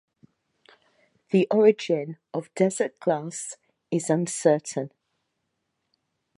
The origin of Desert glass is uncertain.